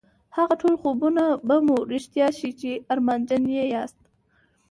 هغه ټول خوبونه به مو رښتيا شي چې ارمانجن يې ياست.